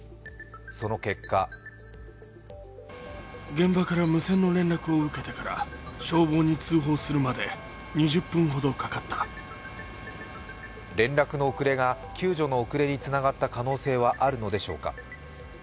その結果連絡の遅れが救助の遅れにつながった可能性はあるのでしょうか。